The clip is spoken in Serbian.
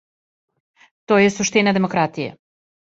То је суштина демократије.